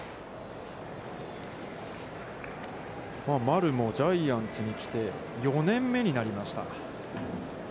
丸もジャイアンツに来て４年目になりました。